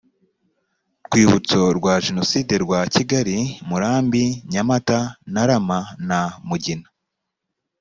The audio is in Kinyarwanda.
rwibutso rwa jenoside rwa kigali murambi nyamata ntarama na mugina